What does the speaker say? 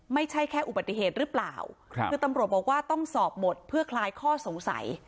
ไม่ใช่แค่อุบัติเหตุหรือเปล่าครับคือตำรวจบอกว่าต้องสอบหมดเพื่อคลายข้อสงสัย